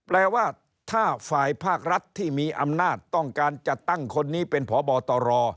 แปลว่าถ้าฝ่ายภาครัฐที่มีอำนาจต้องการจะตั้งคนนี้เป็นพบตร